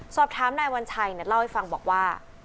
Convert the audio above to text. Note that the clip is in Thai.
สอบถามนายวัญชัยเล่าให้ฟังบอกว่า